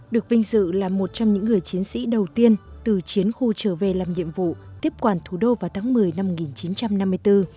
được vinh dự là một trong những người chiến sĩ đầu tiên từ chiến khu trở về làm nhiệm vụ tiếp quản thủ đô vào tháng một mươi năm một nghìn chín trăm năm mươi bốn